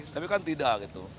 tapi kan tidak gitu